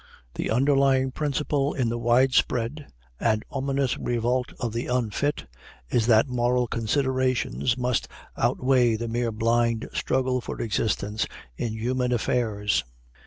The underlying principle in the widespread and ominous revolt of the unfit is that moral considerations must outweigh the mere blind struggle for existence in human affairs.